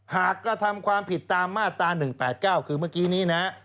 กระทำความผิดตามมาตรา๑๘๙คือเมื่อกี้นี้นะ